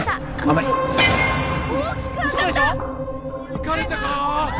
いかれたか？